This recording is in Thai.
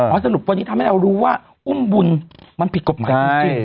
สรุปวันนี้ทำให้เรารู้ว่าอุ้มบุญมันผิดกฎหมายจริง